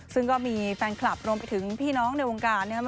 ซึ่งก็มีแฟนคลับรวมไปถึงพี่น้องในวงการนะครับ